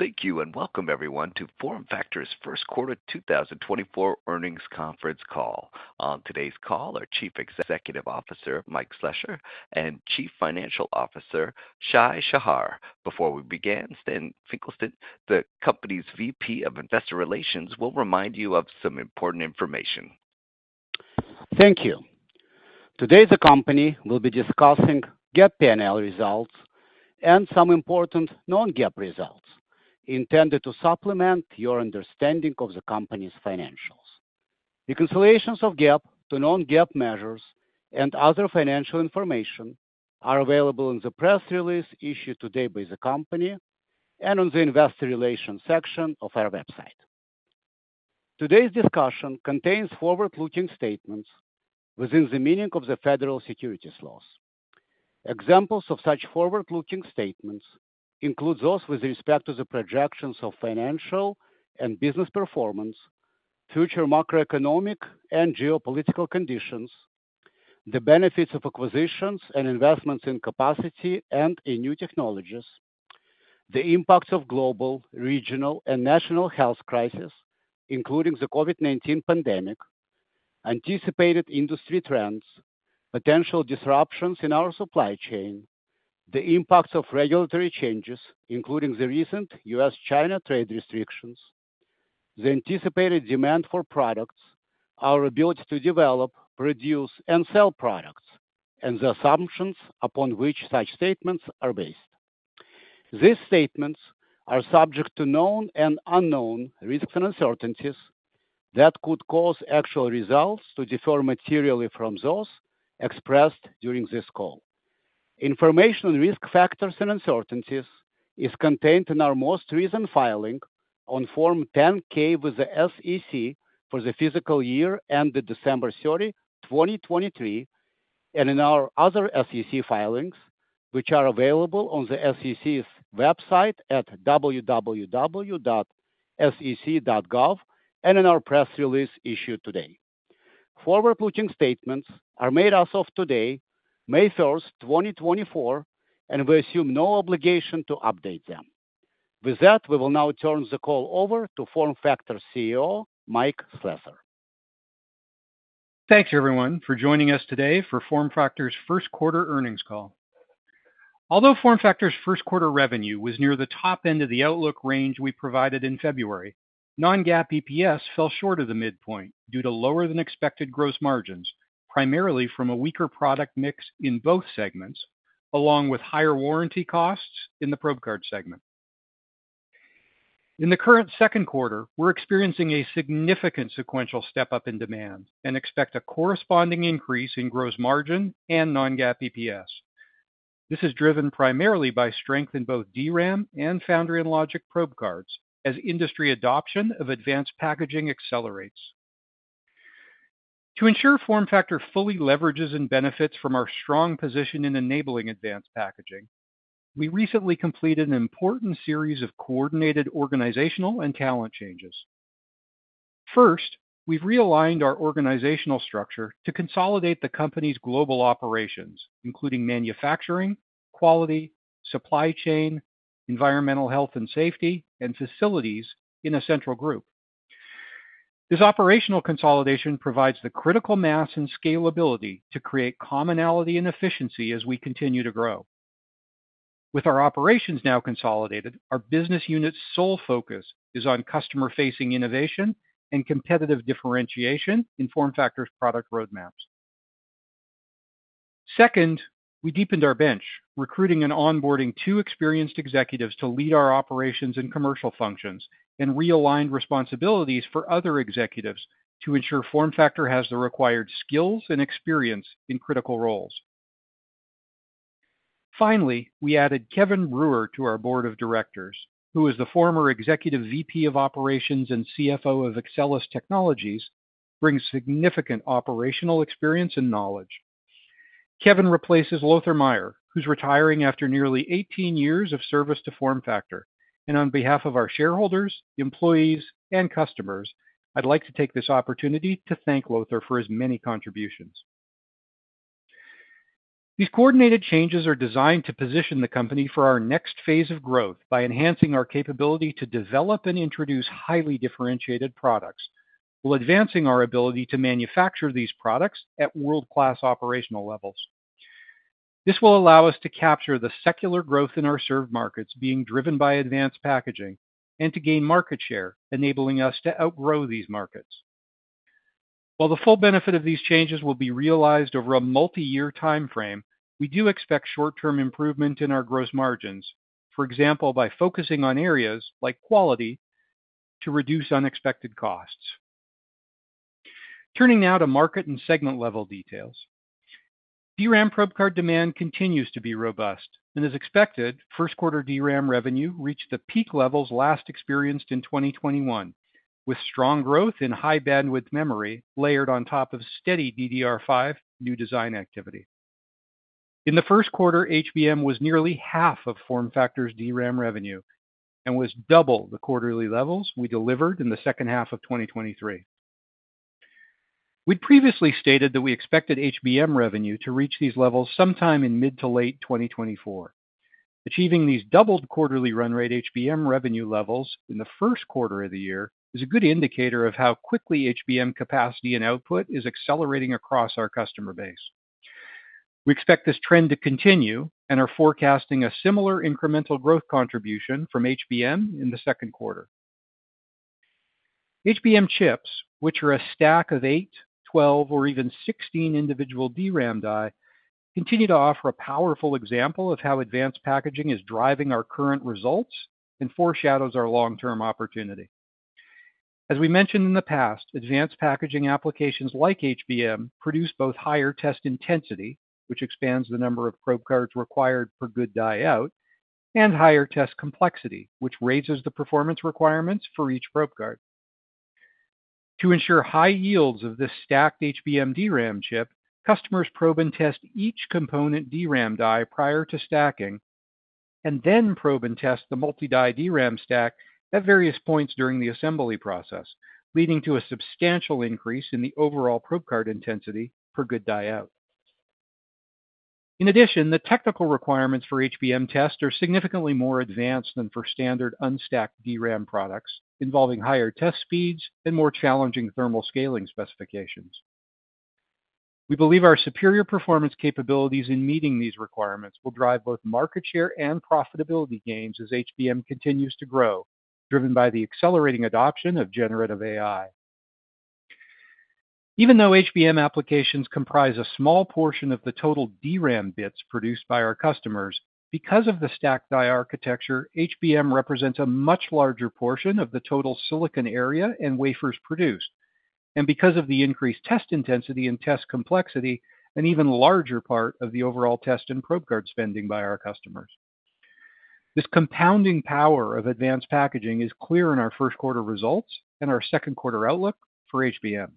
Thank you and welcome, everyone, to FormFactor's First Quarter 2024 earnings conference call. On today's call are Chief Executive Officer Mike Slessor and Chief Financial Officer Shai Shahar. Before we begin, Stan Finkelstein, the company's VP of Investor Relations, will remind you of some important information. Thank you. Today the company will be discussing GAAP P&L results and some important non-GAAP results, intended to supplement your understanding of the company's financials. Reconciliations of GAAP to non-GAAP measures and other financial information are available in the press release issued today by the company and on the Investor Relations section of our website. Today's discussion contains forward-looking statements within the meaning of the Federal Securities Laws. Examples of such forward-looking statements include those with respect to the projections of financial and business performance, future macroeconomic and geopolitical conditions, the benefits of acquisitions and investments in capacity and in new technologies, the impacts of global, regional, and national health crises, including the COVID-19 pandemic, anticipated industry trends, potential disruptions in our supply chain, the impacts of regulatory changes, including the recent U.S.-China trade restrictions, the anticipated demand for products, our ability to develop, produce, and sell products, and the assumptions upon which such statements are based. These statements are subject to known and unknown risks and uncertainties that could cause actual results to differ materially from those expressed during this call. Information on risk factors and uncertainties is contained in our most recent filing on Form 10-K with the SEC for the fiscal year ended December 30, 2023, and in our other SEC filings, which are available on the SEC's website at www.sec.gov and in our press release issued today. Forward-looking statements are made as of today, May 1, 2024, and we assume no obligation to update them. With that, we will now turn the call over to FormFactor CEO Mike Slessor. Thank you, everyone, for joining us today for FormFactor's first quarter earnings call. Although FormFactor's first quarter revenue was near the top end of the outlook range we provided in February, non-GAAP EPS fell short of the midpoint due to lower-than-expected gross margins, primarily from a weaker product mix in both segments, along with higher warranty costs in the probe card segment. In the current second quarter, we're experiencing a significant sequential step-up in demand and expect a corresponding increase in gross margin and non-GAAP EPS. This is driven primarily by strength in both DRAM and Foundry and Logic probe cards, as industry adoption of Advanced Packaging accelerates. To ensure FormFactor fully leverages and benefits from our strong position in enabling Advanced Packaging, we recently completed an important series of coordinated organizational and talent changes. First, we've realigned our organizational structure to consolidate the company's global operations, including manufacturing, quality, supply chain, Environmental Health and Safety, and facilities, in a central group. This operational consolidation provides the critical mass and scalability to create commonality and efficiency as we continue to grow. With our operations now consolidated, our business unit's sole focus is on customer-facing innovation and competitive differentiation in FormFactor's product roadmaps. Second, we deepened our bench, recruiting and onboarding two experienced executives to lead our operations and commercial functions, and realigned responsibilities for other executives to ensure FormFactor has the required skills and experience in critical roles. Finally, we added Kevin Brewer to our Board of Directors, who is the former Executive VP of Operations and CFO of Axcelis Technologies and brings significant operational experience and knowledge. Kevin replaces Lothar Maier, who's retiring after nearly 18 years of service to FormFactor. On behalf of our shareholders, employees, and customers, I'd like to take this opportunity to thank Lothar for his many contributions. These coordinated changes are designed to position the company for our next phase of growth by enhancing our capability to develop and introduce highly differentiated products, while advancing our ability to manufacture these products at world-class operational levels. This will allow us to capture the secular growth in our served markets being driven by Advanced Packaging and to gain market share, enabling us to outgrow these markets. While the full benefit of these changes will be realized over a multi-year time frame, we do expect short-term improvement in our gross margins, for example, by focusing on areas like quality to reduce unexpected costs. Turning now to market and segment-level details. DRAM probe card demand continues to be robust. As expected, first quarter DRAM revenue reached the peak levels last experienced in 2021, with strong growth in High-Bandwidth Memory layered on top of steady DDR5 new design activity. In the first quarter, HBM was nearly half of FormFactor's DRAM revenue and was double the quarterly levels we delivered in the second half of 2023. We'd previously stated that we expected HBM revenue to reach these levels sometime in mid to late 2024. Achieving these doubled quarterly run-rate HBM revenue levels in the first quarter of the year is a good indicator of how quickly HBM capacity and output is accelerating across our customer base. We expect this trend to continue, and are forecasting a similar incremental growth contribution from HBM in the second quarter. HBM chips, which are a stack of 8, 12, or even 16 individual DRAM die, continue to offer a powerful example of how Advanced Packaging is driving our current results and foreshadows our long-term opportunity. As we mentioned in the past, Advanced Packaging applications like HBM produce both higher test intensity, which expands the number of probe cards required per good die out, and higher test complexity, which raises the performance requirements for each probe card. To ensure high yields of this stacked HBM DRAM chip, customers probe and test each component DRAM die prior to stacking, and then probe and test the multi-die DRAM stack at various points during the assembly process, leading to a substantial increase in the overall probe card intensity per good die out. In addition, the technical requirements for HBM tests are significantly more advanced than for standard unstacked DRAM products, involving higher test speeds and more challenging thermal scaling specifications. We believe our superior performance capabilities in meeting these requirements will drive both market share and profitability gains as HBM continues to grow, driven by the accelerating adoption of Generative AI. Even though HBM applications comprise a small portion of the total DRAM bits produced by our customers, because of the stacked die architecture, HBM represents a much larger portion of the total silicon area and wafers produced, and because of the increased test intensity and test complexity, an even larger part of the overall test and probe card spending by our customers. This compounding power of Advanced Packaging is clear in our first quarter results and our second quarter outlook for HBM.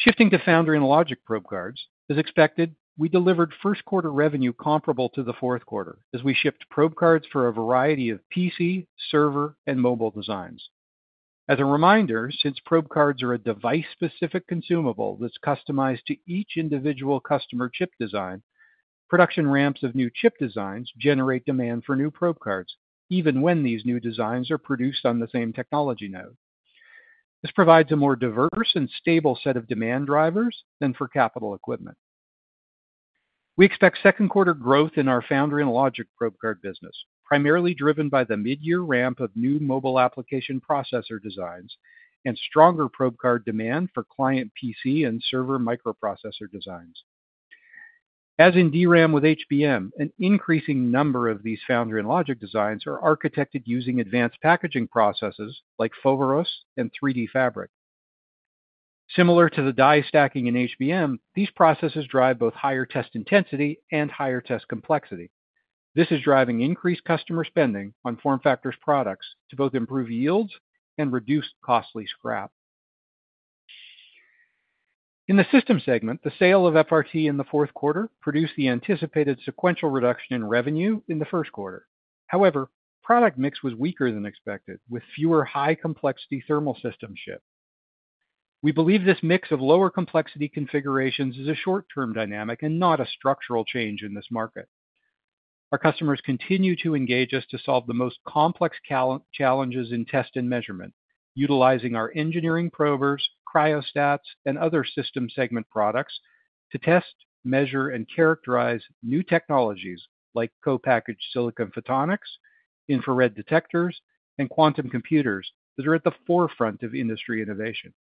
Shifting to Foundry and Logic Probe Cards, as expected, we delivered first quarter revenue comparable to the fourth quarter as we shipped Probe Cards for a variety of PC, server, and mobile designs. As a reminder, since Probe Cards are a device-specific consumable that's customized to each individual customer chip design, production ramps of new chip designs generate demand for new Probe Cards, even when these new designs are produced on the same technology node. This provides a more diverse and stable set of demand drivers than for capital equipment. We expect second quarter growth in our Foundry and Logic Probe Card business, primarily driven by the mid-year ramp of new mobile application processor designs and stronger Probe Card demand for client PC and server microprocessor designs. As in DRAM with HBM, an increasing number of these Foundry and Logic designs are architected using Advanced Packaging processes like Foveros and 3DFabric. Similar to the die stacking in HBM, these processes drive both higher test intensity and higher test complexity. This is driving increased customer spending on FormFactor's products to both improve yields and reduce costly scrap. In the System segment, the sale of FRT in the fourth quarter produced the anticipated sequential reduction in revenue in the first quarter. However, product mix was weaker than expected, with fewer high-complexity thermal systems shipped. We believe this mix of lower-complexity configurations is a short-term dynamic and not a structural change in this market. Our customers continue to engage us to solve the most complex challenges in test and measurement, utilizing our engineering probers, cryostats, and other System segment products to test, measure, and characterize new technologies like co-packaged silicon photonics, infrared detectors, and quantum computers that are at the forefront of industry innovation.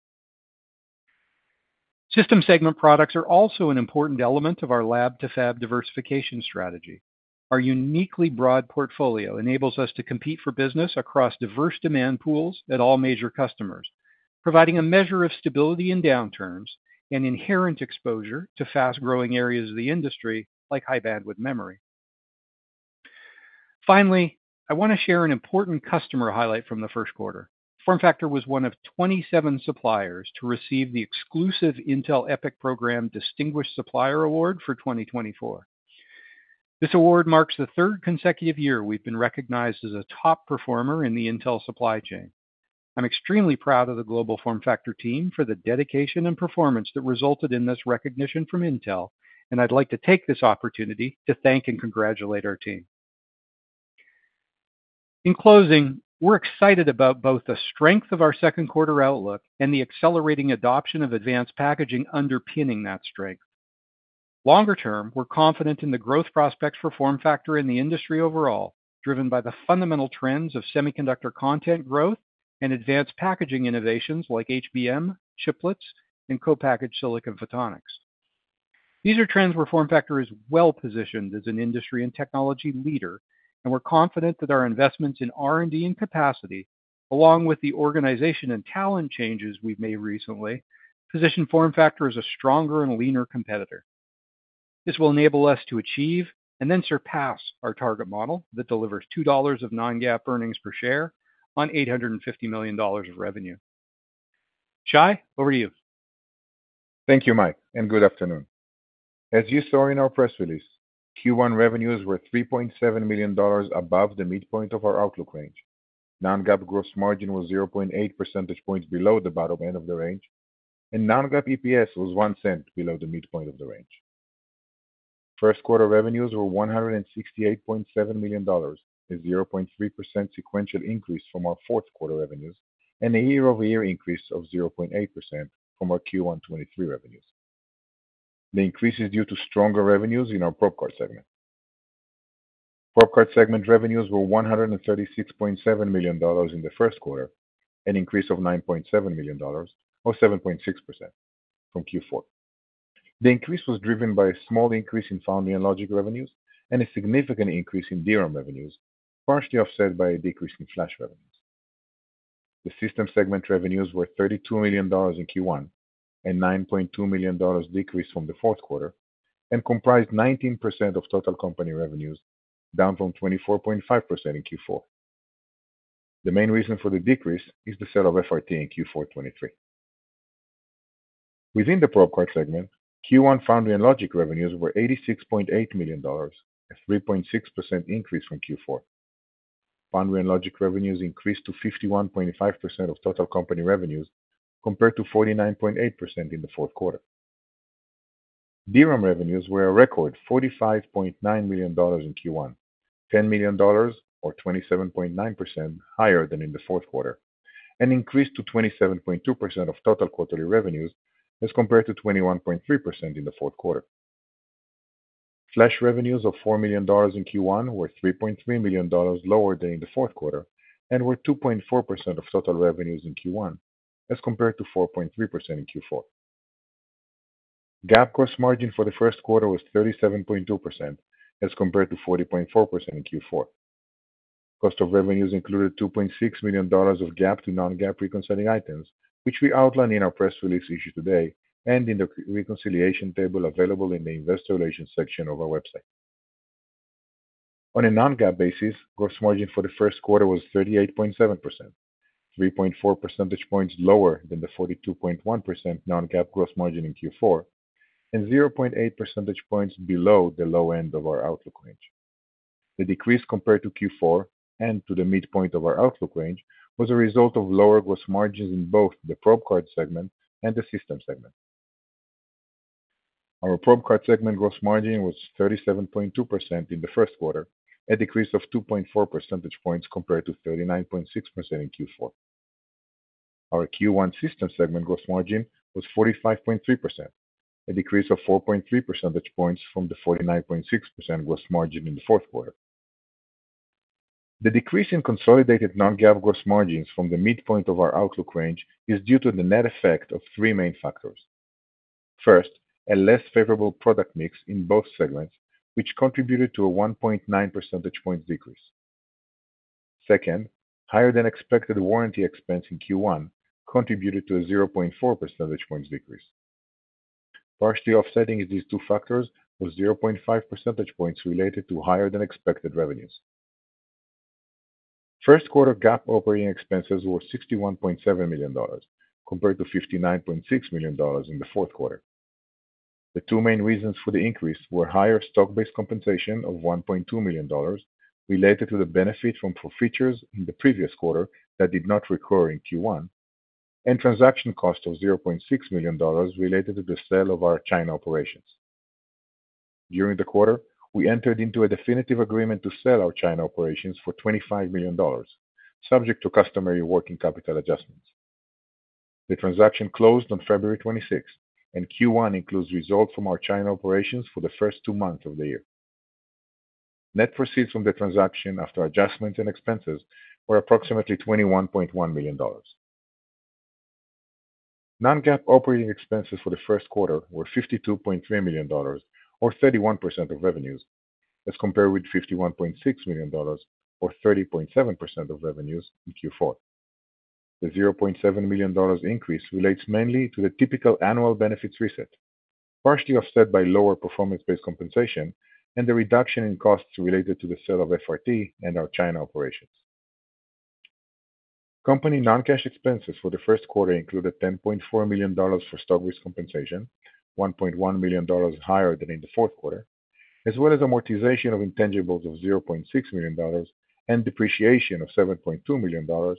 System segment products are also an important element of our lab-to-fab diversification strategy. Our uniquely broad portfolio enables us to compete for business across diverse demand pools at all major customers, providing a measure of stability in downturns and inherent exposure to fast-growing areas of the industry like High-Bandwidth Memory. Finally, I want to share an important customer highlight from the first quarter. FormFactor was one of 27 suppliers to receive the exclusive Intel EPIC Program Distinguished Supplier Award for 2024. This award marks the third consecutive year we've been recognized as a top performer in the Intel supply chain. I'm extremely proud of the global FormFactor team for the dedication and performance that resulted in this recognition from Intel, and I'd like to take this opportunity to thank and congratulate our team. In closing, we're excited about both the strength of our second quarter outlook and the accelerating adoption of Advanced Packaging underpinning that strength. Longer term, we're confident in the growth prospects for FormFactor in the industry overall, driven by the fundamental trends of semiconductor content growth and Advanced Packaging innovations like HBM, chiplets, and co-packaged silicon photonics. These are trends where FormFactor is well-positioned as an industry and technology leader, and we're confident that our investments in R&D and capacity, along with the organization and talent changes we've made recently, position FormFactor as a stronger and leaner competitor. This will enable us to achieve and then surpass our target model that delivers $2 of non-GAAP earnings per share on $850 million of revenue. Shai, over to you. Thank you, Mike, and good afternoon. As you saw in our press release, Q1 revenues were $3.7 million above the midpoint of our outlook range. Non-GAAP gross margin was 0.8 percentage points below the bottom end of the range, and non-GAAP EPS was $0.01 below the midpoint of the range. First quarter revenues were $168.7 million, a 0.3% sequential increase from our fourth quarter revenues and a year-over-year increase of 0.8% from our Q1 2023 revenues. The increase is due to stronger revenues in our Probe Card segment. Probe Card segment revenues were $136.7 million in the first quarter, an increase of $9.7 million, or 7.6%, from Q4. The increase was driven by a small increase in Foundry and Logic revenues and a significant increase in DRAM revenues, partially offset by a decrease in flash revenues. The System segment revenues were $32 million in Q1, a $9.2 million decrease from the fourth quarter, and comprised 19% of total company revenues, down from 24.5% in Q4. The main reason for the decrease is the sale of FRT in Q4 2023. Within the Probe Card segment, Q1 Foundry and Logic revenues were $86.8 million, a 3.6% increase from Q4. Foundry and Logic revenues increased to 51.5% of total company revenues compared to 49.8% in the fourth quarter. DRAM revenues were a record $45.9 million in Q1, $10 million, or 27.9%, higher than in the fourth quarter, and increased to 27.2% of total quarterly revenues as compared to 21.3% in the fourth quarter. Flash revenues of $4 million in Q1 were $3.3 million lower than in the fourth quarter and were 2.4% of total revenues in Q1 as compared to 4.3% in Q4. GAAP gross margin for the first quarter was 37.2% as compared to 40.4% in Q4. Cost of revenues included $2.6 million of GAAP to non-GAAP reconciling items, which we outline in our press release issued today and in the reconciliation table available in the Investor Relations section of our website. On a non-GAAP basis, gross margin for the first quarter was 38.7%, 3.4 percentage points lower than the 42.1% non-GAAP gross margin in Q4, and 0.8 percentage points below the low end of our outlook range. The decrease compared to Q4 and to the midpoint of our outlook range was a result of lower gross margins in both the Probe Card segment and the Systems segment. Our Probe Card segment gross margin was 37.2% in the first quarter, a decrease of 2.4 percentage points compared to 39.6% in Q4. Our Q1 System segment gross margin was 45.3%, a decrease of 4.3 percentage points from the 49.6% gross margin in the fourth quarter. The decrease in consolidated non-GAAP gross margins from the midpoint of our outlook range is due to the net effect of three main factors. First, a less favorable product mix in both segments, which contributed to a 1.9 percentage point decrease. Second, higher-than-expected warranty expense in Q1 contributed to a 0.4 percentage point decrease. Partially offsetting these two factors was 0.5 percentage points related to higher-than-expected revenues. First quarter GAAP operating expenses were $61.7 million compared to $59.6 million in the fourth quarter. The two main reasons for the increase were higher stock-based compensation of $1.2 million related to the benefit from features in the previous quarter that did not recur in Q1, and transaction cost of $0.6 million related to the sale of our China operations. During the quarter, we entered into a definitive agreement to sell our China operations for $25 million, subject to customary working capital adjustments. The transaction closed on February 26, and Q1 includes results from our China operations for the first two months of the year. Net proceeds from the transaction after adjustments and expenses were approximately $21.1 million. Non-GAAP operating expenses for the first quarter were $52.3 million, or 31% of revenues, as compared with $51.6 million, or 30.7% of revenues, in Q4. The $0.7 million increase relates mainly to the typical annual benefits reset, partially offset by lower performance-based compensation and the reduction in costs related to the sale of FRT and our China operations. Company non-cash expenses for the first quarter included $10.4 million for stock-based compensation, $1.1 million higher than in the fourth quarter, as well as amortization of intangibles of $0.6 million and depreciation of $7.2 million,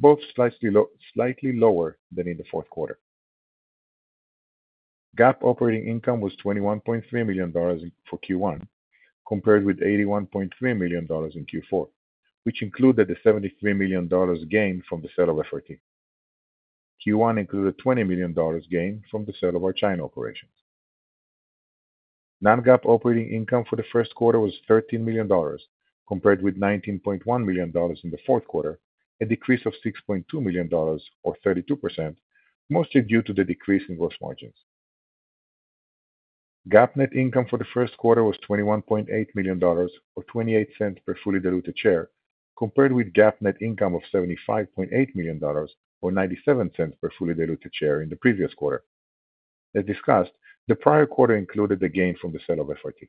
both slightly lower than in the fourth quarter. GAAP operating income was $21.3 million for Q1 compared with $81.3 million in Q4, which included the $73 million gain from the sale of FRT. Q1 included a $20 million gain from the sale of our China operations. Non-GAAP operating income for the first quarter was $13 million compared with $19.1 million in the fourth quarter, a decrease of $6.2 million, or 32%, mostly due to the decrease in gross margins. GAAP net income for the first quarter was $21.8 million, or $0.28 per fully diluted share, compared with GAAP net income of $75.8 million, or $0.97 per fully diluted share, in the previous quarter. As discussed, the prior quarter included the gain from the sale of FRT.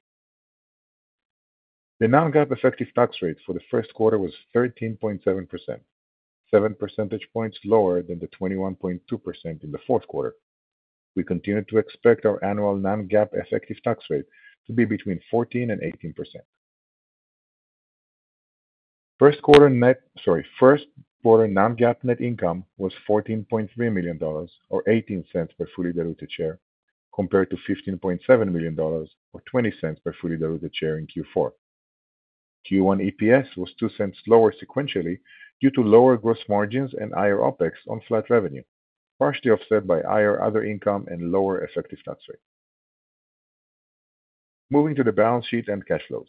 The non-GAAP effective tax rate for the first quarter was 13.7%, 7 percentage points lower than the 21.2% in the fourth quarter. We continue to expect our annual non-GAAP effective tax rate to be between 14%-18%. First quarter non-GAAP net income was $14.3 million, or $0.18 per fully diluted share, compared to $15.7 million, or $0.20 per fully diluted share, in Q4. Q1 EPS was $0.02 lower sequentially due to lower gross margins and higher OPEX on flat revenue, partially offset by higher other income and lower effective tax rate. Moving to the balance sheet and cash flows,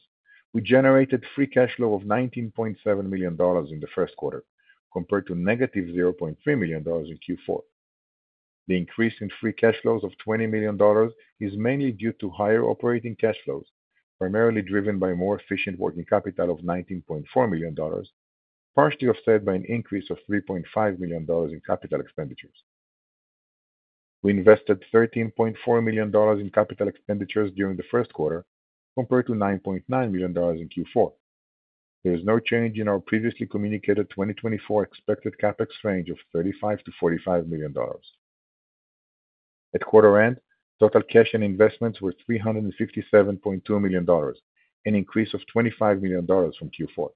we generated free cash flow of $19.7 million in the first quarter, compared to negative $0.3 million in Q4. The increase in free cash flows of $20 million is mainly due to higher operating cash flows, primarily driven by more efficient working capital of $19.4 million, partially offset by an increase of $3.5 million in capital expenditures. We invested $13.4 million in capital expenditures during the first quarter, compared to $9.9 million in Q4. There is no change in our previously communicated 2024 expected CapEx range of $35-$45 million. At quarter end, total cash and investments were $357.2 million, an increase of $25 million from Q4.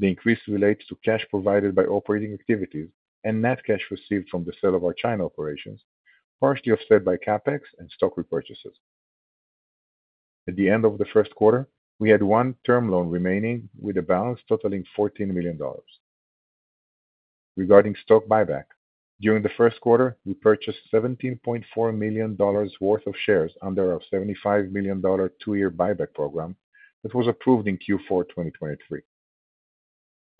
The increase relates to cash provided by operating activities and net cash received from the sale of our China operations, partially offset by CapEx and stock repurchases. At the end of the first quarter, we had 1 term loan remaining with a balance totaling $14 million. Regarding stock buyback, during the first quarter, we purchased $17.4 million worth of shares under our $75 million two-year buyback program that was approved in Q4 2023.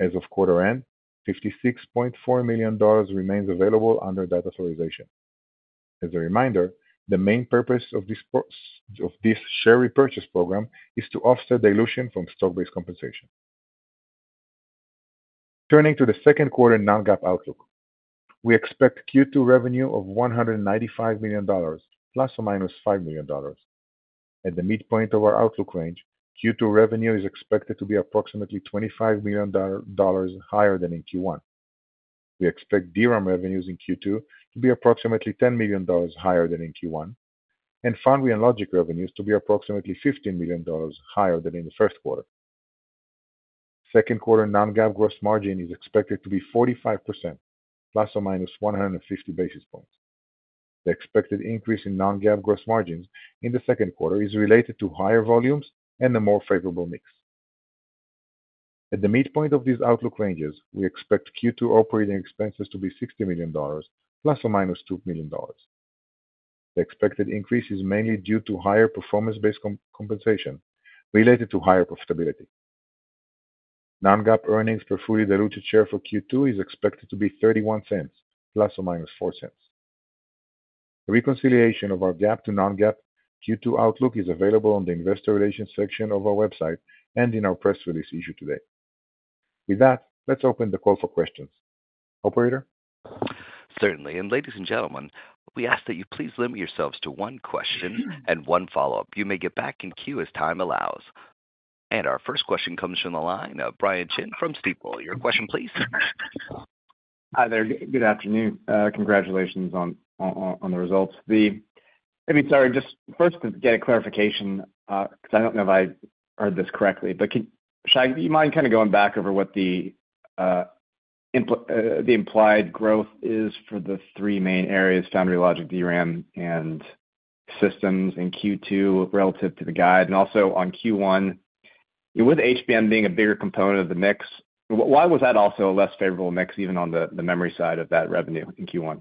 As of quarter end, $56.4 million remains available under that authorization. As a reminder, the main purpose of this share repurchase program is to offset dilution from stock-based compensation. Turning to the second quarter non-GAAP outlook, we expect Q2 revenue of $195 million ± $5 million. At the midpoint of our outlook range, Q2 revenue is expected to be approximately $25 million higher than in Q1. We expect DRAM revenues in Q2 to be approximately $10 million higher than in Q1, and Foundry and Logic revenues to be approximately $15 million higher than in the first quarter. Second quarter non-GAAP gross margin is expected to be 45% ±150 basis points. The expected increase in non-GAAP gross margins in the second quarter is related to higher volumes and a more favorable mix. At the midpoint of these outlook ranges, we expect Q2 operating expenses to be $60 million ±$2 million. The expected increase is mainly due to higher performance-based compensation related to higher profitability. Non-GAAP earnings per fully diluted share for Q2 is expected to be $0.31 ±$0.04. The reconciliation of our GAAP to non-GAAP Q2 outlook is available on the Investor Relations section of our website and in our press release issue today. With that, let's open the call for questions. Operator? Certainly. And ladies and gentlemen, we ask that you please limit yourselves to one question and one follow-up. You may get back in queue as time allows. And our first question comes from the line of Brian Chin from Stifel. Your question, please. Hi there. Good afternoon. Congratulations on the results. I mean, sorry, just first to get a clarification because I don't know if I heard this correctly, but Shai, do you mind kind of going back over what the implied growth is for the three main areas: Foundry, Logic, DRAM, and systems in Q2 relative to the guide? And also on Q1, with HBM being a bigger component of the mix, why was that also a less favorable mix even on the memory side of that revenue in Q1?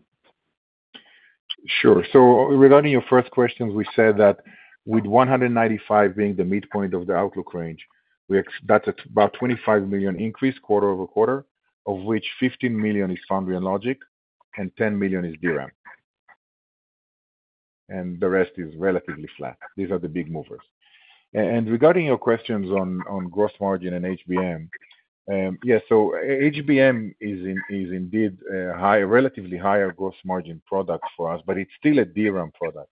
Sure. So regarding your first questions, we said that with 195 being the midpoint of the outlook range, that's about a $25 million increase quarter-over-quarter, of which $15 million is Foundry and Logic and $10 million is DRAM. And the rest is relatively flat. These are the big movers. And regarding your questions on gross margin and HBM, yeah, so HBM is indeed a relatively higher gross margin product for us, but it's still a DRAM product.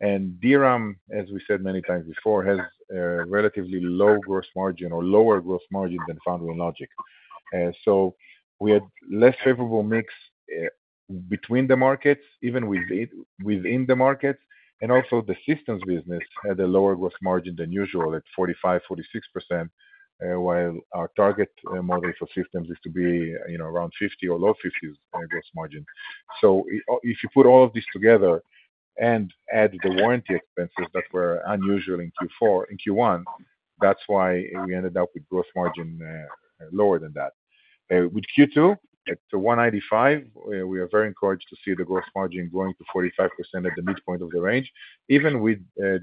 And DRAM, as we said many times before, has a relatively low gross margin or lower gross margin than Foundry and Logic. So we had a less favorable mix between the markets, even within the markets, and also the Systems business had a lower gross margin than usual at 45%-46%, while our target model for systems is to be around 50% or low 50s% gross margin. If you put all of this together and add the warranty expenses that were unusual in Q1, that's why we ended up with gross margin lower than that. With Q2, at $195, we are very encouraged to see the gross margin growing to 45% at the midpoint of the range, even with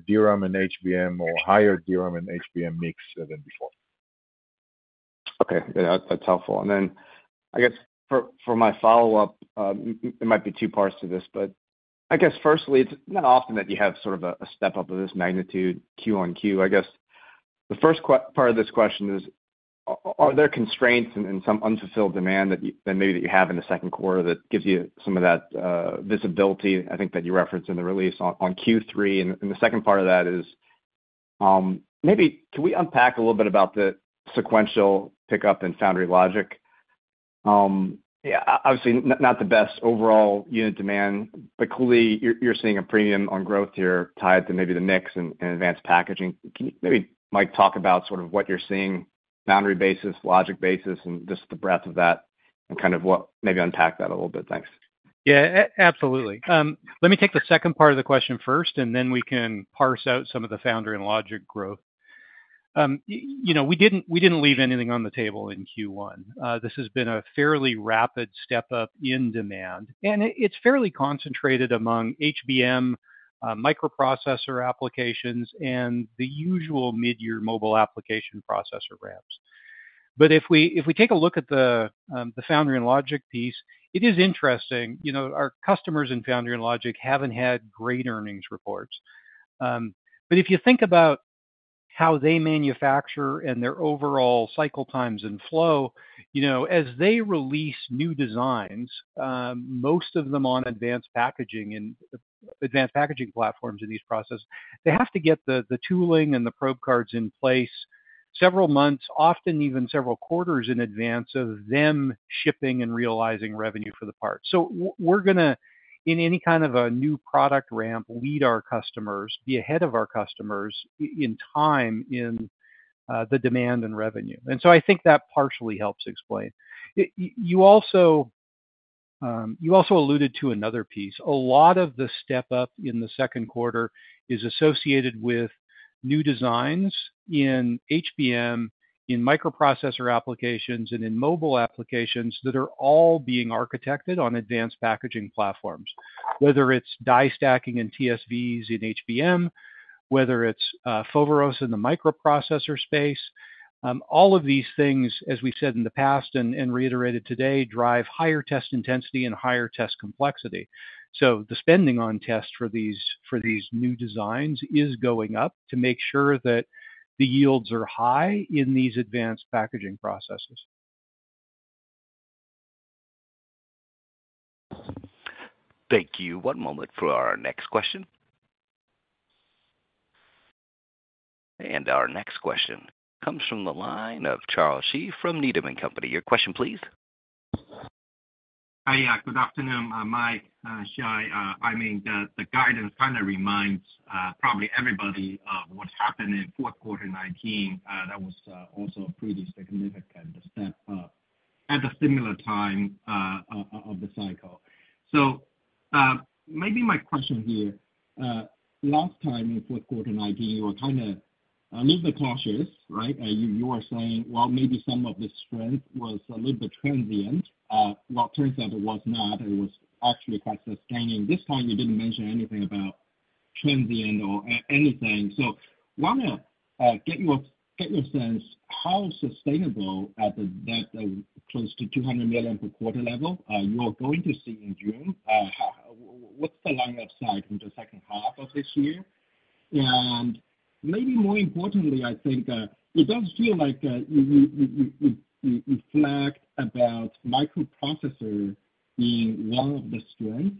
DRAM and HBM or higher DRAM and HBM mix than before. Okay. That's helpful. And then I guess for my follow-up, it might be two parts to this, but I guess firstly, it's not often that you have sort of a step up of this magnitude Q on Q. I guess the first part of this question is, are there constraints and some unfulfilled demand maybe that you have in the second quarter that gives you some of that visibility, I think, that you referenced in the release on Q3? And the second part of that is, maybe can we unpack a little bit about the sequential pickup in Foundry and Logic? Yeah, obviously, not the best overall unit demand, but clearly, you're seeing a premium on growth here tied to maybe the mix and Advanced Packaging. Can maybe Mike talk about sort of what you're seeing foundry business, logic business, and just the breadth of that and kind of maybe unpack that a little bit? Thanks. Yeah, absolutely. Let me take the second part of the question first, and then we can parse out some of the Foundry and Logic growth. We didn't leave anything on the table in Q1. This has been a fairly rapid step up in demand, and it's fairly concentrated among HBM microprocessor applications and the usual mid-year mobile application processor RAMs. But if we take a look at the Foundry and Logic piece, it is interesting. Our customers in Foundry and Logic haven't had great earnings reports. But if you think about how they manufacture and their overall cycle times and flow, as they release new designs, most of them on Advanced Packaging and Advanced Packaging platforms in these processes, they have to get the tooling and the probe cards in place several months, often even several quarters in advance of them shipping and realizing revenue for the parts. So we're going to, in any kind of a new product ramp, lead our customers, be ahead of our customers in time in the demand and revenue. And so I think that partially helps explain. You also alluded to another piece. A lot of the step up in the second quarter is associated with new designs in HBM, in microprocessor applications, and in mobile applications that are all being architected on Advanced Packaging platforms, whether it's die stacking and TSVs in HBM, whether it's Foveros in the microprocessor space. All of these things, as we said in the past and reiterated today, drive higher test intensity and higher test complexity. So the spending on tests for these new designs is going up to make sure that the yields are high in these Advanced Packaging processes. Thank you. One moment for our next question. Our next question comes from the line of Charles Shi from Needham & Company. Your question, please. Hi, yeah. Good afternoon. Mike, Shai, I mean, the guidance kind of reminds probably everybody of what happened in fourth quarter 2019. That was also a pretty significant step up at a similar time of the cycle. So maybe my question here, last time in fourth quarter 2019, you were kind of a little bit cautious, right? You were saying, "Well, maybe some of the strength was a little bit transient." Well, it turns out it was not. It was actually quite sustaining. This time, you didn't mention anything about transient or anything. So I want to get your sense how sustainable at that close to $200 million per quarter level you are going to see in June. What's the lineup side in the second half of this year? Maybe more importantly, I think it does feel like you flagged about microprocessor being one of the strength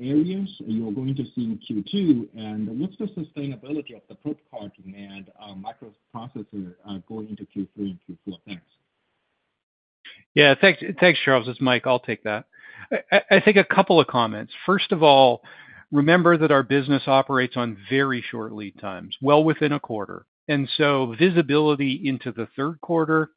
areas you are going to see in Q2. What's the sustainability of the probe card demand microprocessor going into Q3 and Q4? Yeah. Thanks, Charles. It's Mike. I'll take that. I think a couple of comments. First of all, remember that our business operates on very short lead times, well within a quarter. And so visibility into the third quarter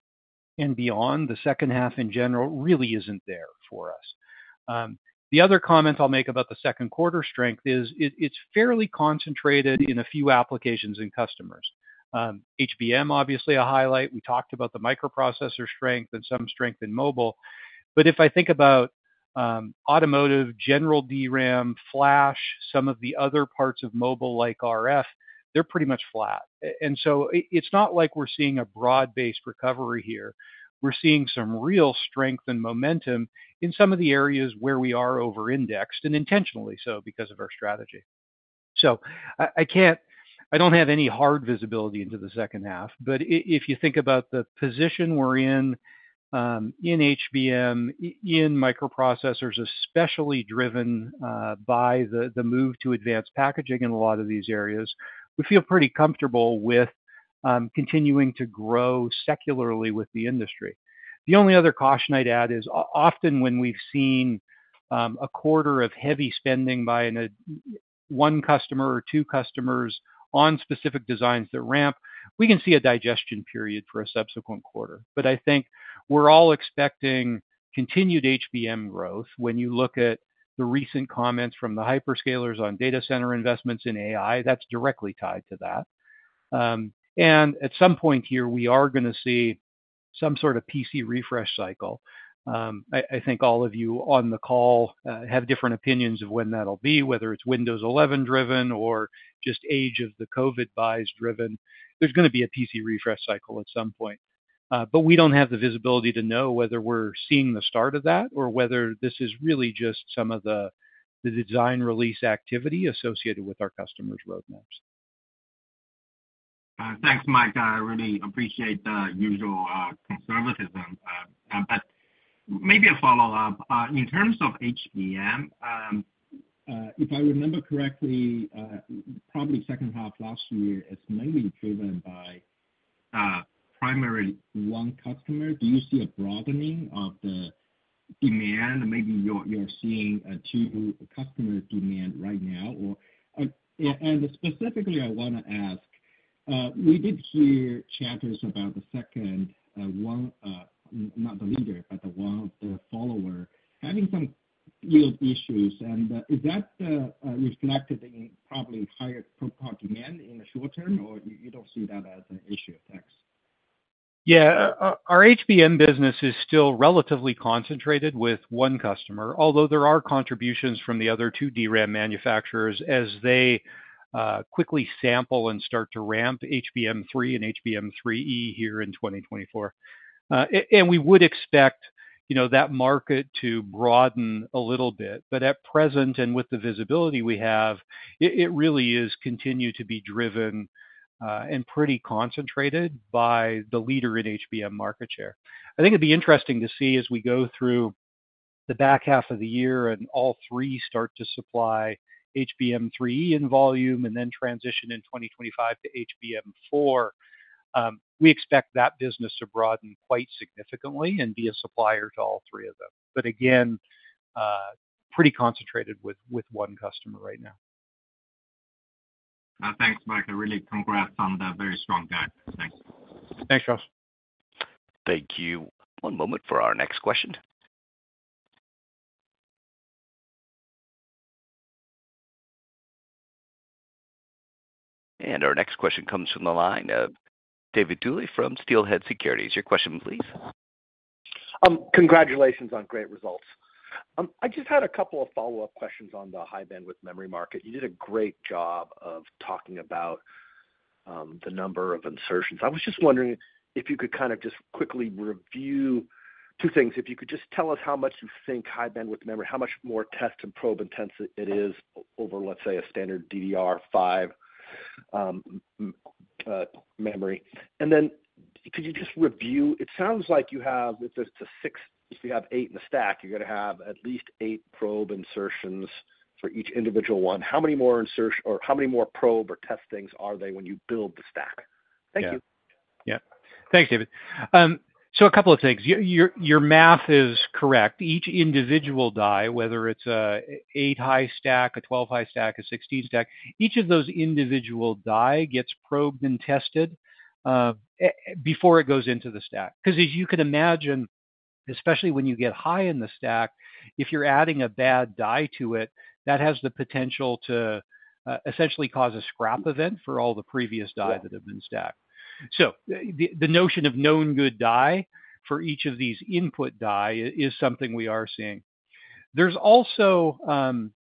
and beyond, the second half in general, really isn't there for us. The other comment I'll make about the second quarter strength is it's fairly concentrated in a few applications and customers. HBM, obviously, a highlight. We talked about the microprocessor strength and some strength in mobile. But if I think about automotive, general DRAM, flash, some of the other parts of mobile like RF, they're pretty much flat. And so it's not like we're seeing a broad-based recovery here. We're seeing some real strength and momentum in some of the areas where we are over-indexed and intentionally so because of our strategy. So I don't have any hard visibility into the second half. But if you think about the position we're in in HBM, in microprocessors, especially driven by the move to Advanced Packaging in a lot of these areas, we feel pretty comfortable with continuing to grow secularly with the industry. The only other caution I'd add is often when we've seen a quarter of heavy spending by one customer or two customers on specific designs that ramp, we can see a digestion period for a subsequent quarter. But I think we're all expecting continued HBM growth. When you look at the recent comments from the hyperscalers on data center investments in AI, that's directly tied to that. And at some point here, we are going to see some sort of PC refresh cycle. I think all of you on the call have different opinions of when that'll be, whether it's Windows 11-driven or just age of the COVID buys driven. There's going to be a PC refresh cycle at some point. But we don't have the visibility to know whether we're seeing the start of that or whether this is really just some of the design release activity associated with our customers' roadmaps. Thanks, Mike. I really appreciate the usual conservatism. But maybe a follow-up. In terms of HBM, if I remember correctly, probably second half last year, it's mainly driven by primarily one customer. Do you see a broadening of the demand? Maybe you're seeing two customer demand right now? And specifically, I want to ask, we did hear chatters about the second one, not the leader, but the one of the followers having some yield issues. And is that reflected in probably higher probe card demand in the short term, or you don't see that as an issue? Thanks. Yeah. Our HBM business is still relatively concentrated with one customer, although there are contributions from the other two DRAM manufacturers as they quickly sample and start to ramp HBM3 and HBM3E here in 2024. And we would expect that market to broaden a little bit. But at present, and with the visibility we have, it really is continued to be driven and pretty concentrated by the leader in HBM market share. I think it'd be interesting to see as we go through the back half of the year and all three start to supply HBM3E in volume and then transition in 2025 to HBM4, we expect that business to broaden quite significantly and be a supplier to all three of them. But again, pretty concentrated with one customer right now. Thanks, Mike. I really congratulate on that very strong guidance. Thanks. Thanks, Charles. Thank you. One moment for our next question. Our next question comes from the line. David Duley from Steelhead Securities. Your question, please. Congratulations on great results. I just had a couple of follow-up questions on the High-Bandwidth Memory market. You did a great job of talking about the number of insertions. I was just wondering if you could kind of just quickly review 2 things. If you could just tell us how much you think High-Bandwidth Memory, how much more test and probe intense it is over, let's say, a standard DDR5 memory. Then could you just review? It sounds like you have if it's a 6, if you have 8 in the stack, you're going to have at least 8 probe insertions for each individual one. How many more insertion or how many more probe or test things are they when you build the stack? Thank you. Yeah. Thanks, David. So a couple of things. Your math is correct. Each individual die, whether it's an 8-high stack, a 12-high stack, a 16 stack, each of those individual die gets probed and tested before it goes into the stack. Because as you can imagine, especially when you get high in the stack, if you're adding a bad die to it, that has the potential to essentially cause a scrap event for all the previous die that have been stacked. So the notion of known good die for each of these input die is something we are seeing. There's also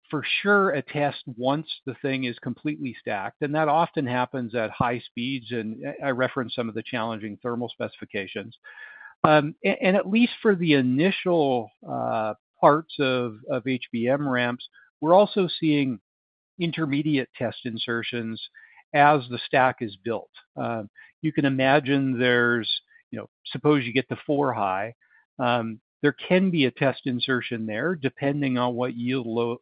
for sure a test once the thing is completely stacked. And that often happens at high speeds. And I referenced some of the challenging thermal specifications. And at least for the initial parts of HBM ramps, we're also seeing intermediate test insertions as the stack is built. You can imagine there's, suppose you get the 4-high. There can be a test insertion there depending on what yield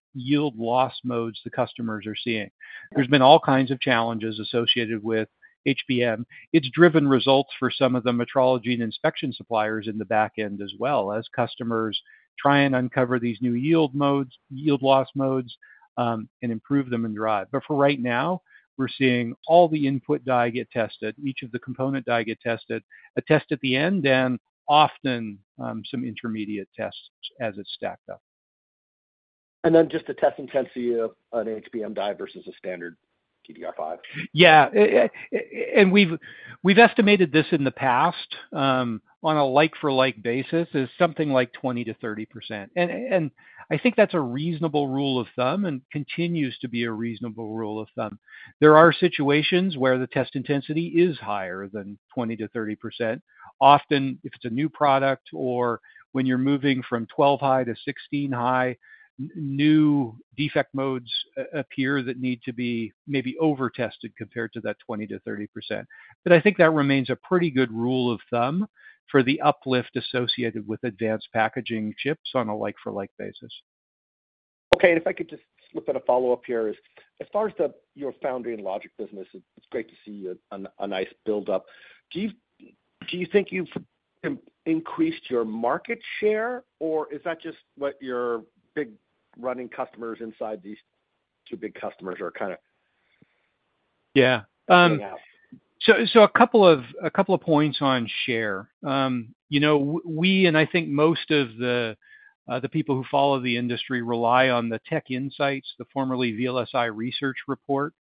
loss modes the customers are seeing. There's been all kinds of challenges associated with HBM. It's driven results for some of the metrology and inspection suppliers in the back end as well as customers try and uncover these new yield loss modes and improve them and drive. But for right now, we're seeing all the input die get tested, each of the component die get tested, a test at the end, and often some intermediate tests as it's stacked up. Just the test intensity of an HBM die versus a standard DDR5? Yeah. We've estimated this in the past on a like-for-like basis as something like 20%-30%. I think that's a reasonable rule of thumb and continues to be a reasonable rule of thumb. There are situations where the test intensity is higher than 20%-30%. Often, if it's a new product or when you're moving from 12-high to 16-high, new defect modes appear that need to be maybe over-tested compared to that 20%-30%. But I think that remains a pretty good rule of thumb for the uplift associated with Advanced Packaging chips on a like-for-like basis. Okay. And if I could just slip in a follow-up here, as far as your Foundry and Logic business, it's great to see a nice buildup. Do you think you've increased your market share, or is that just what your big running customers inside these two big customers are kind of bringing out? Yeah. So a couple of points on share. We, and I think most of the people who follow the industry, rely on the TechInsights, the formerly VLSI Research report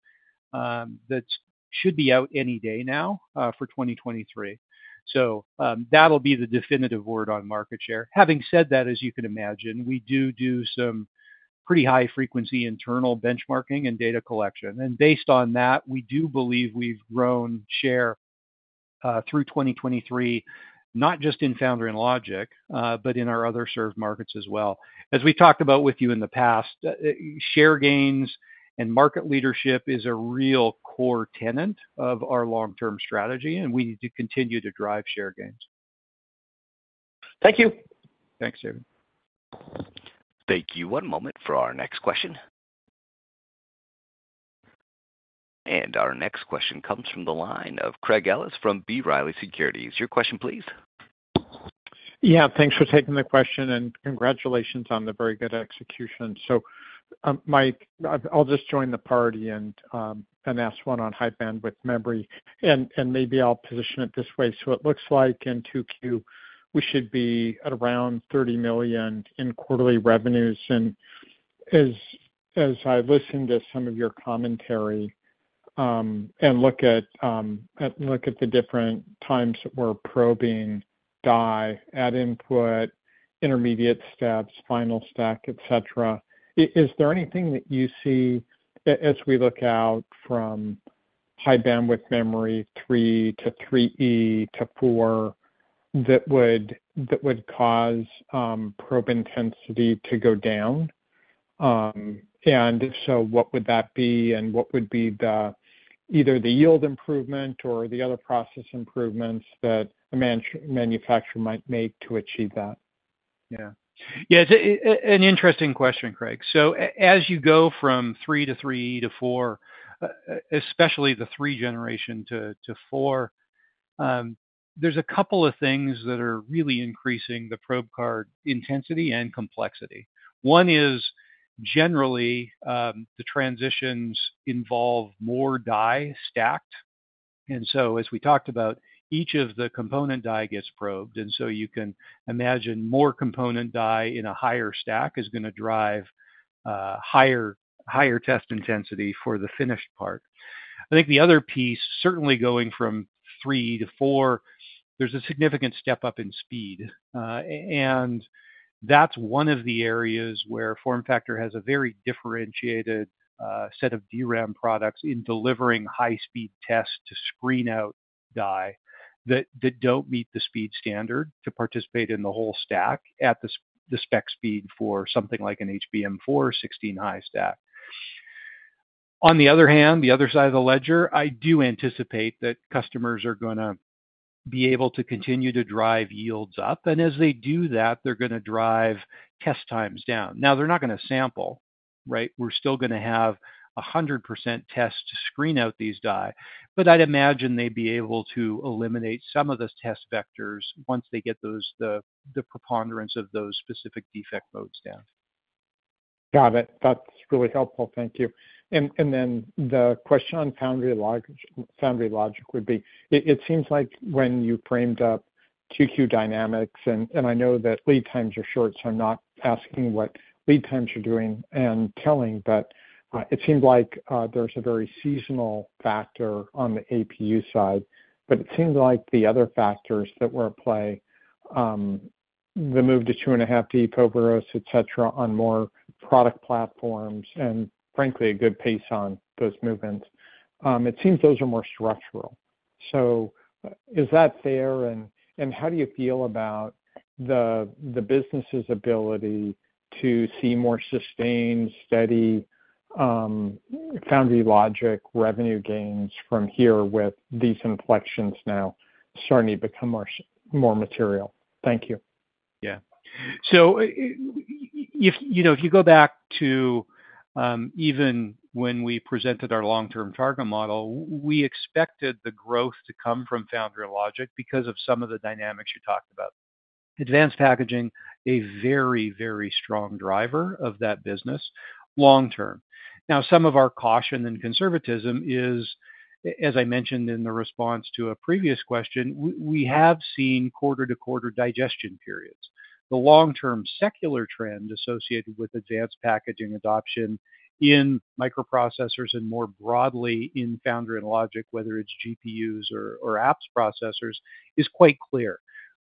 that should be out any day now for 2023. So that'll be the definitive word on market share. Having said that, as you can imagine, we do do some pretty high-frequency internal benchmarking and data collection. And based on that, we do believe we've grown share through 2023, not just in Foundry and Logic, but in our other served markets as well. As we've talked about with you in the past, share gains and market leadership is a real core tenet of our long-term strategy. And we need to continue to drive share gains. Thank you. Thanks, David. Thank you. One moment for our next question. Our next question comes from the line of Craig Ellis from B. Riley Securities. Your question, please. Yeah. Thanks for taking the question. And congratulations on the very good execution. So, Mike, I'll just join the party and ask one on High-Bandwidth Memory. And maybe I'll position it this way. So it looks like in 2Q, we should be at around $30 million in quarterly revenues. And as I listened to some of your commentary and look at the different times that we're probing die at input, intermediate steps, final stack, etc., is there anything that you see as we look out from High-Bandwidth Memory 3 to 3E to 4 that would cause probe intensity to go down? And if so, what would that be? And what would be either the yield improvement or the other process improvements that a manufacturer might make to achieve that? Yeah. Yeah. It's an interesting question, Craig. So as you go from 3 to 3E to 4, especially the 3 generation to 4, there's a couple of things that are really increasing the probe card intensity and complexity. One is generally, the transitions involve more die stacked. And so, as we talked about, each of the component die gets probed. And so you can imagine more component die in a higher stack is going to drive higher test intensity for the finished part. I think the other piece, certainly going from 3 to 4, there's a significant step up in speed. And that's one of the areas where FormFactor has a very differentiated set of DRAM products in delivering high-speed tests to screen out die that don't meet the speed standard to participate in the whole stack at the spec speed for something like an HBM4 16-high stack. On the other hand, the other side of the ledger, I do anticipate that customers are going to be able to continue to drive yields up. As they do that, they're going to drive test times down. Now, they're not going to sample, right? We're still going to have 100% test to screen out these die. But I'd imagine they'd be able to eliminate some of the test vectors once they get the preponderance of those specific defect modes down. Got it. That's really helpful. Thank you. And then the question on Foundry Logic would be, it seems like when you framed up 2Q dynamics, and I know that lead times are short, so I'm not asking what lead times you're doing and telling, but it seemed like there's a very seasonal factor on the APU side. But it seemed like the other factors that were at play, the move to 2.5D, Foveros, etc., on more product platforms and frankly, a good pace on those movements, it seems those are more structural. So is that fair? And how do you feel about the business's ability to see more sustained, steady Foundry Logic revenue gains from here with these inflections now starting to become more material? Thank you. Yeah. So if you go back to even when we presented our long-term target model, we expected the growth to come from Foundry Logic because of some of the dynamics you talked about. Advanced Packaging, a very, very strong driver of that business long-term. Now, some of our caution and conservatism is, as I mentioned in the response to a previous question, we have seen quarter-to-quarter digestion periods. The long-term secular trend associated with Advanced Packaging adoption in microprocessors and more broadly in Foundry and Logic, whether it's GPUs or apps processors, is quite clear.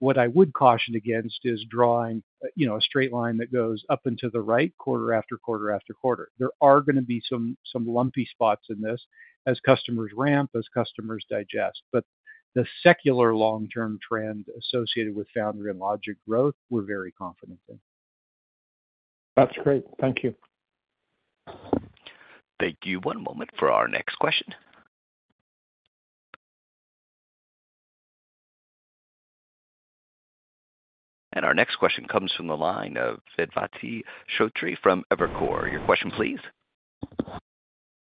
What I would caution against is drawing a straight line that goes up and to the right quarter after quarter after quarter. There are going to be some lumpy spots in this as customers ramp, as customers digest. But the secular long-term trend associated with Foundry and Logic growth, we're very confident in. That's great. Thank you. Thank you. One moment for our next question. Our next question comes from the line of Vedvati Shrotre from Evercore. Your question, please.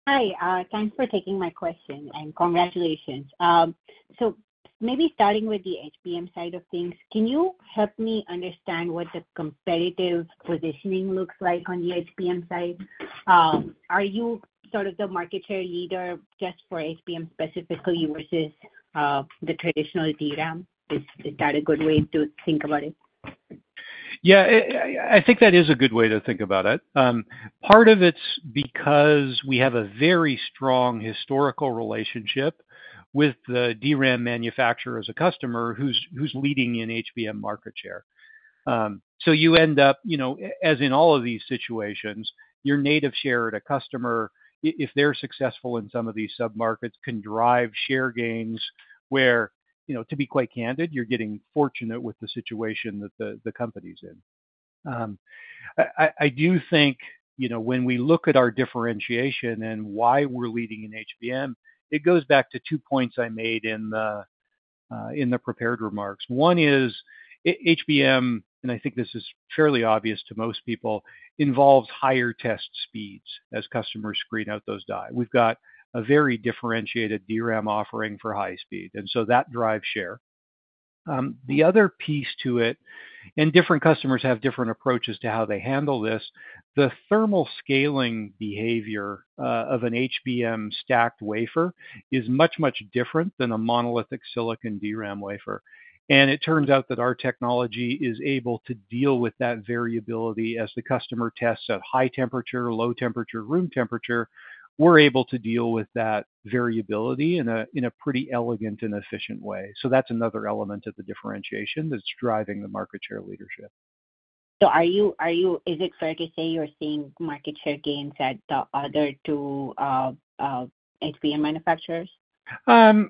Hi. Thanks for taking my question. Congratulations. Maybe starting with the HBM side of things, can you help me understand what the competitive positioning looks like on the HBM side? Are you sort of the market share leader just for HBM specifically versus the traditional DRAM? Is that a good way to think about it? Yeah. I think that is a good way to think about it. Part of it's because we have a very strong historical relationship with the DRAM manufacturer as a customer who's leading in HBM market share. So you end up, as in all of these situations, your native share at a customer, if they're successful in some of these submarkets, can drive share gains where, to be quite candid, you're getting fortunate with the situation that the company's in. I do think when we look at our differentiation and why we're leading in HBM, it goes back to two points I made in the prepared remarks. One is HBM, and I think this is fairly obvious to most people, involves higher test speeds as customers screen out those die. We've got a very differentiated DRAM offering for high speed. And so that drives share. The other piece to it, and different customers have different approaches to how they handle this, the thermal scaling behavior of an HBM stacked wafer is much, much different than a monolithic silicon DRAM wafer. And it turns out that our technology is able to deal with that variability as the customer tests at high temperature, low temperature, room temperature. We're able to deal with that variability in a pretty elegant and efficient way. So that's another element of the differentiation that's driving the market share leadership. Is it fair to say you're seeing market share gains at the other two HBM manufacturers? I'm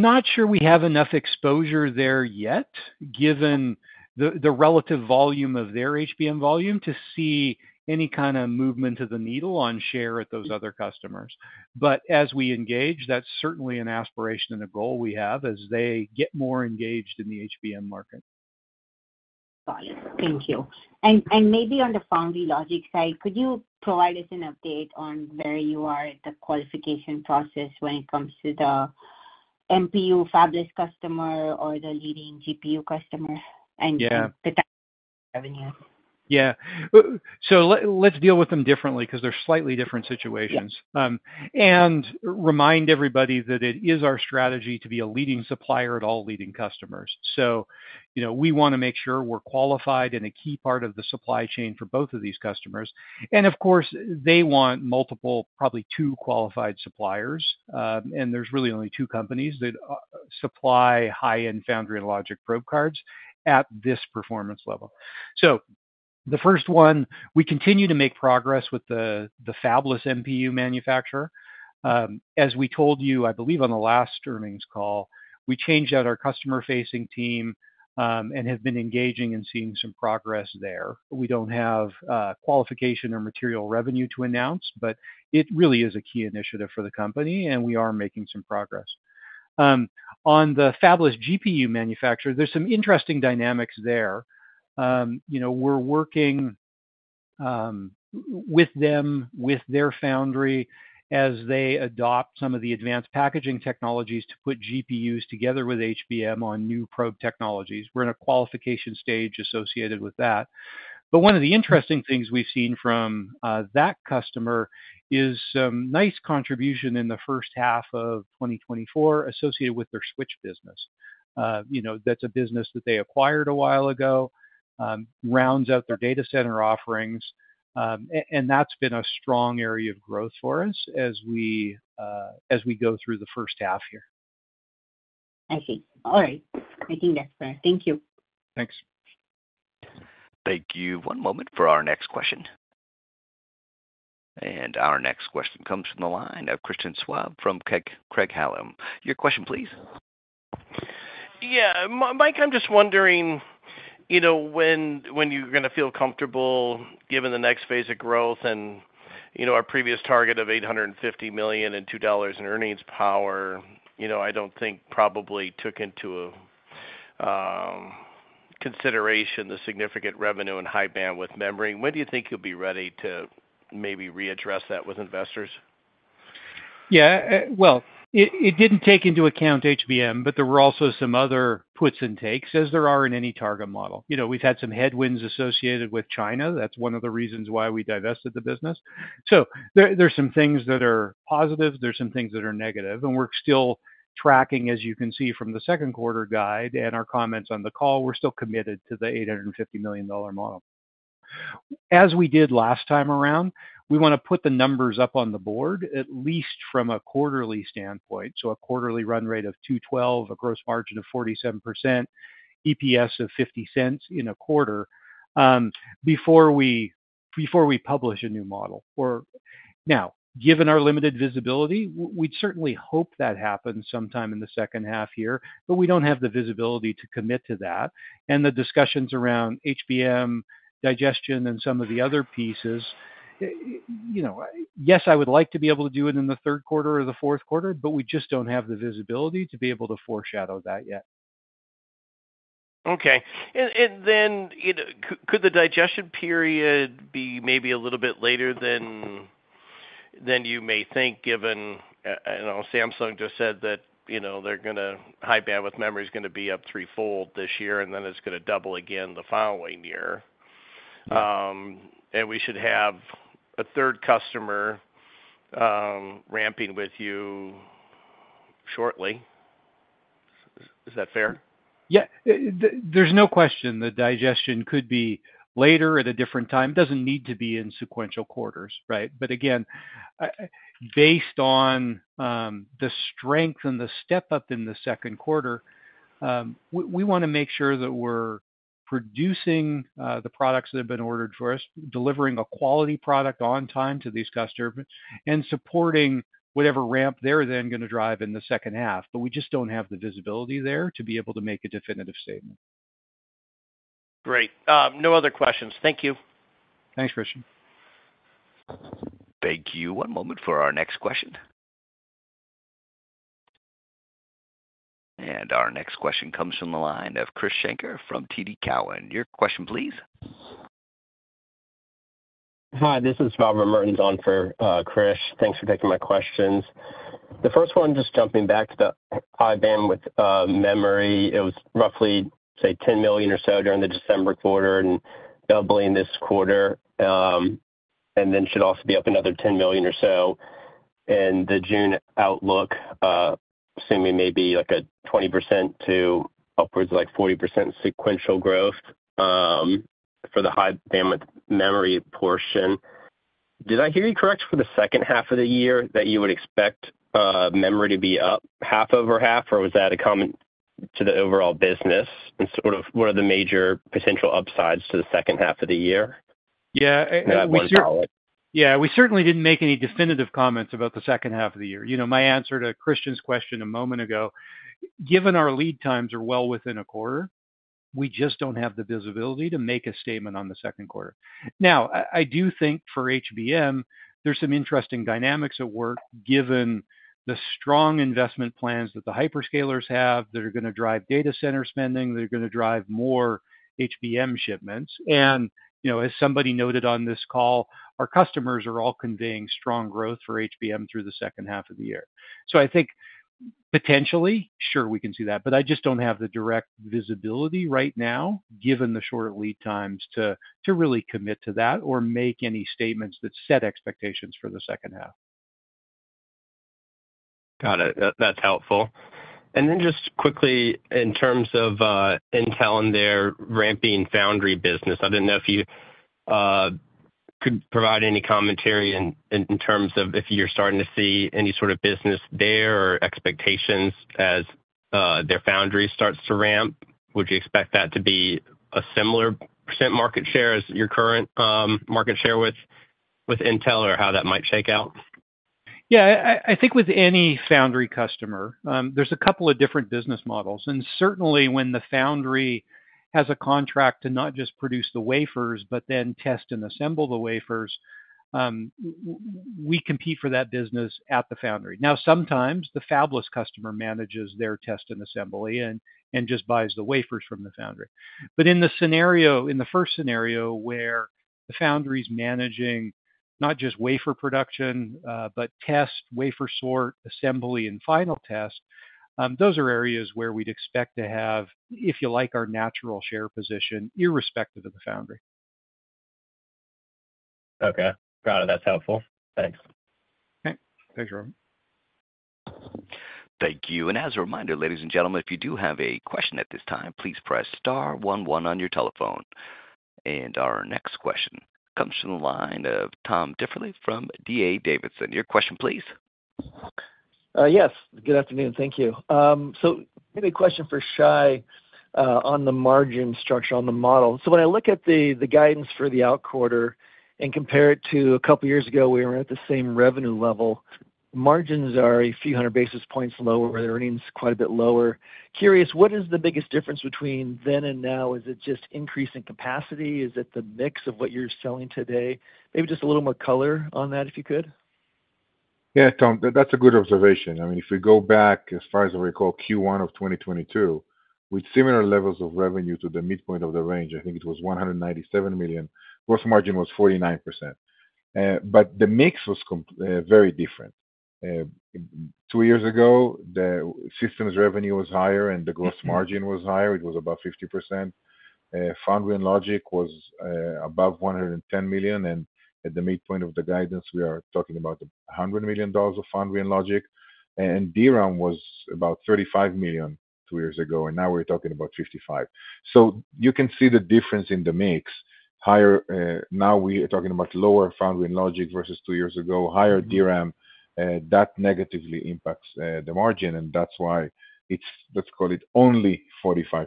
not sure we have enough exposure there yet given the relative volume of their HBM volume to see any kind of movement to the needle on share at those other customers. But as we engage, that's certainly an aspiration and a goal we have as they get more engaged in the HBM market. Got it. Thank you. Maybe on the Foundry Logic side, could you provide us an update on where you are at the qualification process when it comes to the MPU fabless customer or the leading GPU customer and the revenues? Yeah. So let's deal with them differently because they're slightly different situations. Remind everybody that it is our strategy to be a leading supplier at all leading customers. So we want to make sure we're qualified in a key part of the supply chain for both of these customers. Of course, they want multiple, probably two qualified suppliers. There's really only two companies that supply high-end Foundry and Logic probe cards at this performance level. So the first one, we continue to make progress with the fabless MPU manufacturer. As we told you, I believe on the last earnings call, we changed out our customer-facing team and have been engaging and seeing some progress there. We don't have qualification or material revenue to announce, but it really is a key initiative for the company. We are making some progress. On the fabless GPU manufacturer, there's some interesting dynamics there. We're working with them, with their foundry, as they adopt some of the Advanced Packaging technologies to put GPUs together with HBM on new probe technologies. We're in a qualification stage associated with that. But one of the interesting things we've seen from that customer is some nice contribution in the first half of 2024 associated with their switch business. That's a business that they acquired a while ago, rounds out their data center offerings. And that's been a strong area of growth for us as we go through the first half here. I see. All right. I think that's fair. Thank you. Thanks. Thank you. One moment for our next question. Our next question comes from the line of Christian Schwab from Craig-Hallum. Your question, please. Yeah. Mike, I'm just wondering when you're going to feel comfortable given the next phase of growth and our previous target of $850 million and $2 in earnings power. I don't think probably took into consideration the significant revenue in High-Bandwidth Memory. When do you think you'll be ready to maybe readdress that with investors? Yeah. Well, it didn't take into account HBM, but there were also some other puts and takes as there are in any target model. We've had some headwinds associated with China. That's one of the reasons why we divested the business. So there's some things that are positive. There's some things that are negative. And we're still tracking, as you can see from the second quarter guide and our comments on the call, we're still committed to the $850 million model. As we did last time around, we want to put the numbers up on the board, at least from a quarterly standpoint. So a quarterly run rate of $212 million, a gross margin of 47%, EPS of $0.50 in a quarter before we publish a new model. Now, given our limited visibility, we'd certainly hope that happens sometime in the second half here, but we don't have the visibility to commit to that. And the discussions around HBM digestion and some of the other pieces, yes, I would like to be able to do it in the third quarter or the fourth quarter, but we just don't have the visibility to be able to foreshadow that yet. Okay. And then could the digestion period be maybe a little bit later than you may think given Samsung just said that High Bandwidth Memory is going to be up threefold this year, and then it's going to double again the following year. We should have a third customer ramping with you shortly. Is that fair? Yeah. There's no question. The digestion could be later at a different time. It doesn't need to be in sequential quarters, right? But again, based on the strength and the step up in the second quarter, we want to make sure that we're producing the products that have been ordered for us, delivering a quality product on time to these customers, and supporting whatever ramp they're then going to drive in the second half. But we just don't have the visibility there to be able to make a definitive statement. Great. No other questions. Thank you. Thanks, Christian. Thank you. One moment for our next question. Our next question comes from the line of Khrish Sankar from TD Cowen. Your question, please. Hi. This is Robert Mertens on for Krish. Thanks for taking my questions. The first one, just jumping back to the High-Bandwidth Memory, it was roughly, say, $10 million or so during the December quarter and doubling this quarter. And then it should also be up another $10 million or so. And the June outlook, assuming maybe like a 20% to upwards of like 40% sequential growth for the High-Bandwidth Memory portion. Did I hear you correct for the second half of the year that you would expect memory to be up half-over-half, or was that a comment to the overall business and sort of what are the major potential upsides to the second half of the year? Yeah. And I want to call it. Yeah. We certainly didn't make any definitive comments about the second half of the year. My answer to Christian's question a moment ago, given our lead times are well within a quarter, we just don't have the visibility to make a statement on the second quarter. Now, I do think for HBM, there's some interesting dynamics at work given the strong investment plans that the hyperscalers have that are going to drive data center spending, that are going to drive more HBM shipments. And as somebody noted on this call, our customers are all conveying strong growth for HBM through the second half of the year. So I think potentially, sure, we can see that. But I just don't have the direct visibility right now given the short lead times to really commit to that or make any statements that set expectations for the second half. Got it. That's helpful. And then just quickly, in terms of Intel and their ramping foundry business, I didn't know if you could provide any commentary in terms of if you're starting to see any sort of business there or expectations as their foundry starts to ramp. Would you expect that to be a similar % market share as your current market share with Intel or how that might shake out? Yeah. I think with any foundry customer, there's a couple of different business models. Certainly, when the foundry has a contract to not just produce the wafers, but then test and assemble the wafers, we compete for that business at the foundry. Now, sometimes the fabless customer manages their test and assembly and just buys the wafers from the foundry. In the first scenario where the foundry is managing not just wafer production, but test, wafer sort, assembly, and final test, those are areas where we'd expect to have, if you like, our natural share position irrespective of the foundry. Okay. Got it. That's helpful. Thanks. Okay. Thanks, Robert. Thank you. As a reminder, ladies and gentlemen, if you do have a question at this time, please press star 11 on your telephone. Our next question comes from the line of Tom Diffely from D.A. Davidson. Your question, please. Yes. Good afternoon. Thank you. So maybe a question for Shai on the margin structure, on the model. So when I look at the guidance for the out quarter and compare it to a couple of years ago, we were at the same revenue level. Margins are a few hundred basis points lower. Their earnings are quite a bit lower. Curious, what is the biggest difference between then and now? Is it just increasing capacity? Is it the mix of what you're selling today? Maybe just a little more color on that if you could. Yeah, Tom. That's a good observation. I mean, if we go back as far as I recall, Q1 of 2022, with similar levels of revenue to the midpoint of the range, I think it was $197 million. Gross margin was 49%. But the mix was very different. Two years ago, the systems revenue was higher and the gross margin was higher. It was about 50%. Foundry and logic was above $110 million. And at the midpoint of the guidance, we are talking about $100 million of Foundry and Logic. And DRAM was about $35 million two years ago. And now we're talking about $55 million. So you can see the difference in the mix. Now we're talking about lower Foundry and Logic versus two years ago, higher DRAM. That negatively impacts the margin. And that's why it's, let's call it, only 45%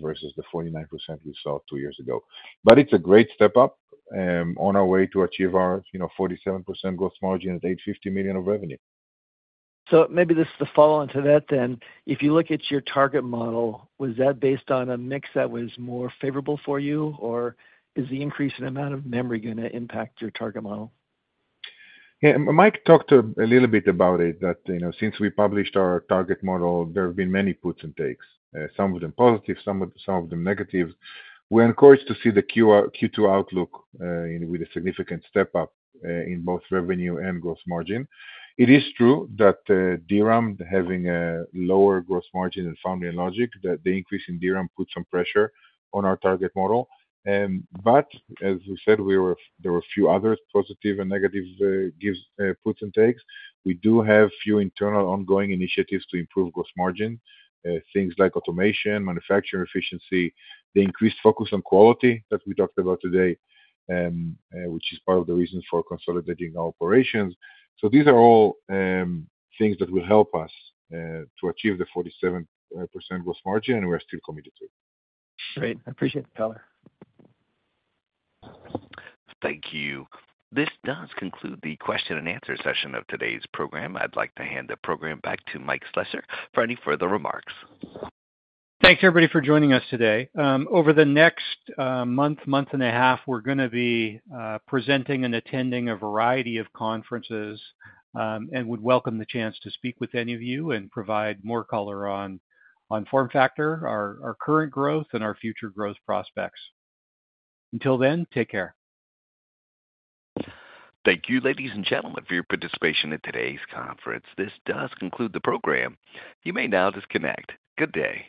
versus the 49% we saw two years ago. But it's a great step up on our way to achieve our 47% gross margin at $850 million of revenue. So maybe just the follow-on to that then. If you look at your target model, was that based on a mix that was more favorable for you, or is the increase in amount of memory going to impact your target model? Yeah. Mike talked a little bit about it. That since we published our target model, there have been many puts and takes, some of them positive, some of them negative. We're encouraged to see the Q2 outlook with a significant step up in both revenue and gross margin. It is true that DRAM, having a lower gross margin than Foundry and Logic, that the increase in DRAM put some pressure on our target model. But as we said, there were a few others positive and negative puts and takes. We do have a few internal ongoing initiatives to improve gross margin, things like automation, manufacturing efficiency, the increased focus on quality that we talked about today, which is part of the reasons for consolidating our operations. So these are all things that will help us to achieve the 47% gross margin, and we are still committed to it. Great. I appreciate the color. Thank you. This does conclude the question and answer session of today's program. I'd like to hand the program back to Mike Slessor for any further remarks. Thanks, everybody, for joining us today. Over the next month, month and a half, we're going to be presenting and attending a variety of conferences and would welcome the chance to speak with any of you and provide more color on FormFactor, our current growth, and our future growth prospects. Until then, take care. Thank you, ladies and gentlemen, for your participation in today's conference. This does conclude the program. You may now disconnect. Good day.